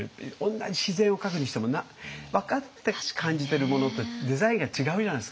同じ自然を描くにしても分かって感じてるものってデザインが違うじゃないですか。